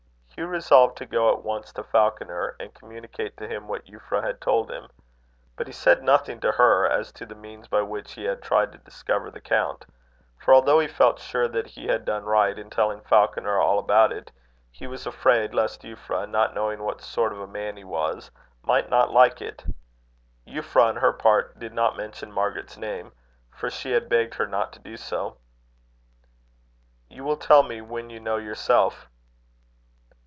Hugh resolved to go at once to Falconer, and communicate to him what Euphra had told him. But he said nothing to her as to the means by which he had tried to discover the count; for although he felt sure that he had done right in telling Falconer all about it, he was afraid lest Euphra, not knowing what sort of a man he was, might not like it. Euphra, on her part, did not mention Margaret's name; for she had begged her not to do so. "You will tell me when you know yourself?"